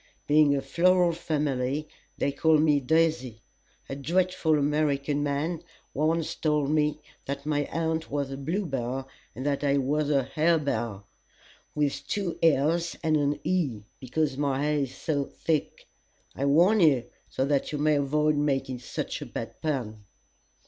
Being a floral family, they call me Daisy. A dreadful American man once told me that my aunt was a Bluebell and that I was a Harebell with two l's and an e because my hair is so thick. I warn you, so that you may avoid making such a bad pun."